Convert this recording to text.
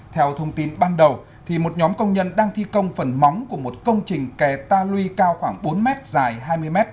theo thông tin ban đầu một nhóm công nhân đang thi công phần móng của một công trình kè ta lui cao khoảng bốn m dài hai mươi m